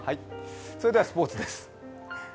それではスポーツです。